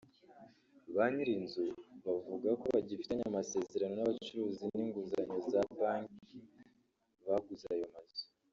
Ba nyir’inzu bavuga ko bagifitanye amasezerano n’abacuruzi n’inguzanyo za banki baguze ayo mazu